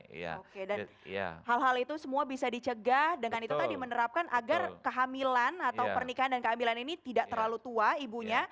oke dan hal hal itu semua bisa dicegah dengan itu tadi menerapkan agar kehamilan atau pernikahan dan kehamilan ini tidak terlalu tua ibunya